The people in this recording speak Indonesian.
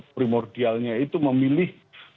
primordialnya itu memilih